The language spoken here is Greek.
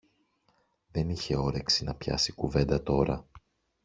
δεν είχε όρεξη να πιάσει κουβέντα τώρα